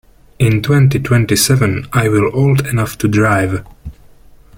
In twenty-twenty-seven I will old enough to drive.